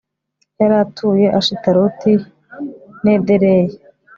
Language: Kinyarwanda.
yari atuye i ashitaroti n'i edereyi